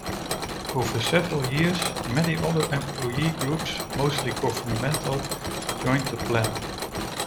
Over several years many other employee groups, mostly governmental, joined the plan.